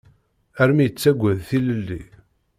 Armi yettaggad tilelli.